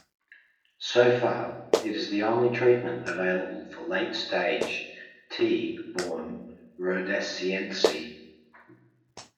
So far, it is the only treatment available for late-stage "T. born rhodesiense".